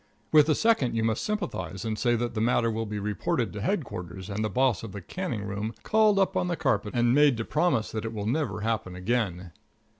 With the second you must sympathize, and say that the matter will be reported to headquarters and the boss of the canning room called up on the carpet and made to promise that it will never happen again.